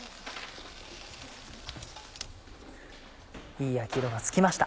いい焼き色がつきました。